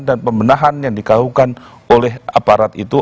dan pemenahan yang dikawal oleh aparat itu